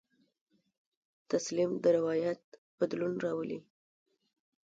تسلیم د روایت بدلون راولي.